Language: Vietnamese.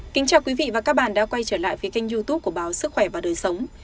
kính chào quý vị và các bạn đã quay trở lại phía kênh youtube của báo sức khỏe và đời sống